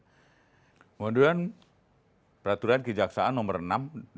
kemudian peraturan kejaksaan no enam tahun dua ribu dua puluh satu